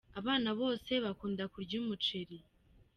Abana bose bakunda kurya umuceri.